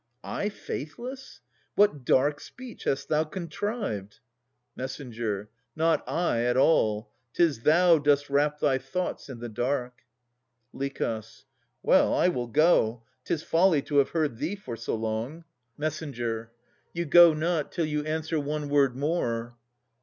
I faithless! What dark speech Hast thou contrived? MESS. Not I at all. 'Tis thou Dost wrap thy thoughts i' the dark. LICH. Well, I will go. 'Tis folly to have heard thee for so long. MESS. You go not till you answer one word more.